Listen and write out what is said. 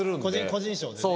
個人賞でね。